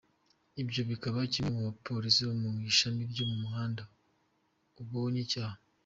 Ibyo bikaba kimwe n’umupolisi wo mu ishmi ryo mu muhanda ubonye icyaha.